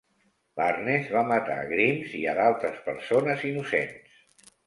Barnes va matar a Grimes i a d'altres persones innocents.